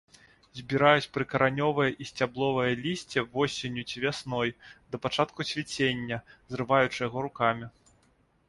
Збіраюць прыкаранёвае і сцябловае лісце восенню ці вясной, да пачатку цвіцення, зрываючы яго рукамі.